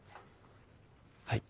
はい。